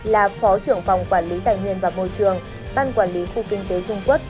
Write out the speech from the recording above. là phó trưởng phòng quản lý tài nguyên và môi trường ban quản lý khu kinh tế dung quốc